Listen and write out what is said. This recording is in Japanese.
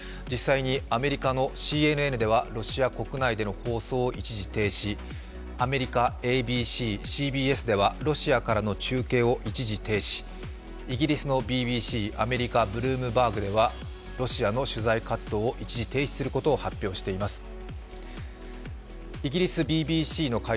実際にアメリカのＣＮＮではロシア国内の放送を一時停止、アメリカ、ＡＢＣ、ＣＢＳではロシアからの中継を一時停止、イギリスのＢＢＣ、アメリカのブルームバーグではロシアでの取材活動を一時停止することを発表しています。